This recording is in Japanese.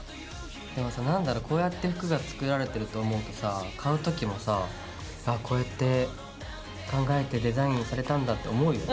でもさ何だろうこうやって服が作られてると思うとさ買う時もさあっこうやって考えてデザインされたんだって思うよね。